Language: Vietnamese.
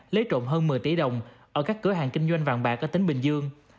lấy trộm hơn một mươi tỷ đồng ở các cửa hàng kinh doanh vàng bạc ở tỉnh bình dương